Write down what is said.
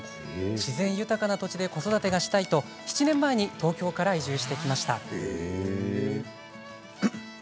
自然豊かな土地で子育てがしたいと７年前に東京から移住してきました。